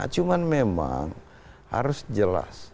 cuman memang harus jelas